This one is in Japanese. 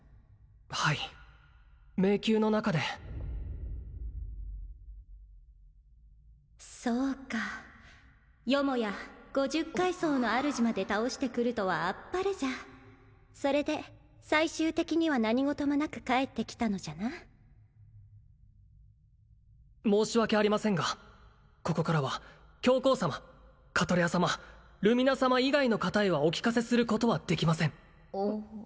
はい迷宮の中でそうかよもや五十階層の主まで倒してくるとはあっぱれじゃそれで最終的には何事もなく帰ってきたのじゃな申し訳ありませんがここからは教皇様カトレア様ルミナ様以外の方へはお聞かせすることはできません